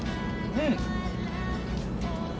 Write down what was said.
うん！